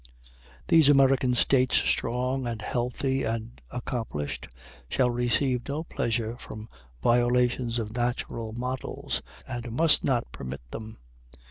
These American States, strong and healthy and accomplish'd, shall receive no pleasure from violations of natural models, and must not permit them.